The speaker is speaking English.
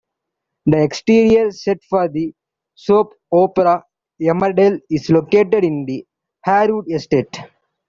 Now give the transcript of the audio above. The exterior set for the soap opera "Emmerdale" is located in the Harewood estate.